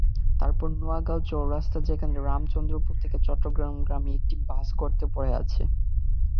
তারপর নোয়াগাঁও চৌরাস্তা, যেখানে রামচন্দ্রপুর থেকে চট্টগ্রামগামী একটি বাস গর্তে পড়ে আছে।